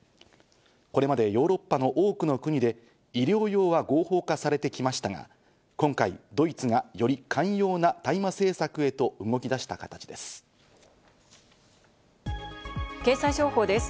これまでヨーロッパの多くの国で医療用は合法化されてきましたが、今回、ドイツがより寛容な大麻政策へと動き出した形です。